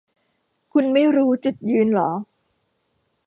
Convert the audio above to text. คุณไม่รู้จุดยืนหรอ